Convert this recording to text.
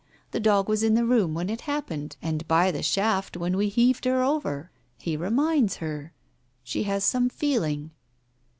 The dog was in the room when it happened, and by the shaft when we heaved Her over. He reminds her. ... She has some feeling.